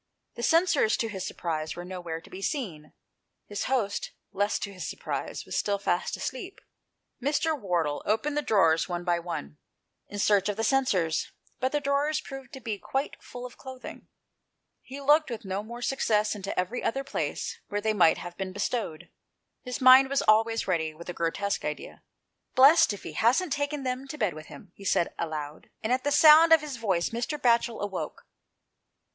The censers, to his surprise, were no where to be seen. His host, less to his surprise, was still fast asleep. Mr. Wardle opened the no THE PLACE OP SAFETY. drawers, one by one, in search of the censers, but the drawers proved to be all qxdte full of clothing. He looked with no more success into every other place where they might havfr been bestowed. His mind was always ready with a grotesque idea, "Blest if he hasn't taken them to bed with him," he said aloud, and at the sound of his voice Mr. Batchel awoke.